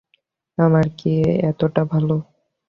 আমরা কি অতটা ভালো?